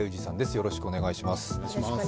よろしくお願いします。